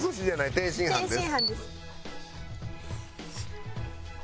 天津飯です。